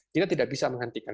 kita tidak bisa menghentikan